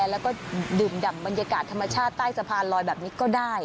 แล้วก็ดื่มดำบรรยากาศธรรมชาติใต้สะพานลอยแบบนี้ก็ได้